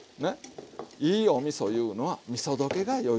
いいおみそいうのはみそ溶けがよい。